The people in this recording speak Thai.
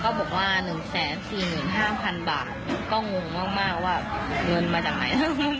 บอกว่า๑๔๕๐๐๐บาทก็งงมากว่าเงินมาจากไหน